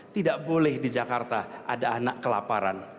tidak boleh di jakarta ada anak kelaparan